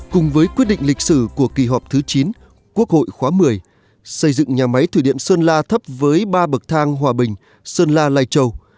cùng với quyết định lịch sử của kỳ họp thứ chín quốc hội khóa một mươi xây dựng nhà máy thủy điện sơn la thấp với ba bậc thang hòa bình sơn la lai châu